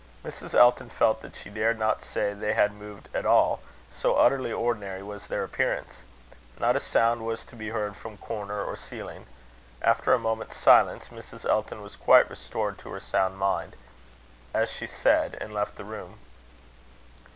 Mrs. Elton felt that she dared not say they had moved at all, so utterly ordinary was their appearance. Not a sound was to be heard from corner or ceiling. After a moment's silence, Mrs. Elton was quite restored to her sound mind, as she said, and left the room.